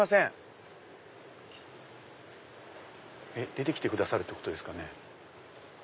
出てきてくださるってことですかね。